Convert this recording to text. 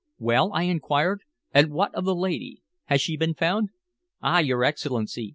"Well?" I inquired. "And what of the lady? Has she been found?" "Ah! your Excellency.